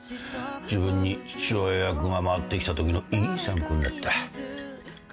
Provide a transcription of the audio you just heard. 自分に父親役が回ってきたときのいい参考になった。